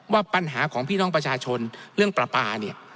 ว่าปัญหาของพี่น้องประชาชนเรื่องปลาปลาเนี่ย